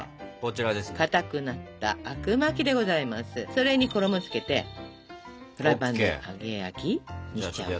それに衣つけてフライパンで揚げ焼きにしちゃおうかな。